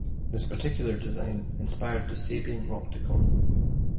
This particular design inspired the Sabian Rocktagon.